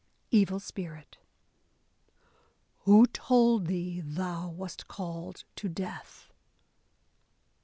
Evil Spirit : Who told thee thou wast called to death